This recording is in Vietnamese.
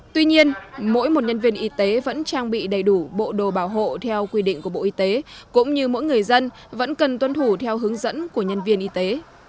tuy nhiên mỗi một nhân viên y tế vẫn trang bị đầy đủ bộ đồ bảo hộ theo quy định của bộ y tế cũng như mỗi người dân vẫn cần tuân thủ theo hướng dẫn của nhân viên y tế